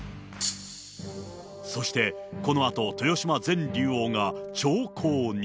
そして、このあと、豊島前竜王が長考に。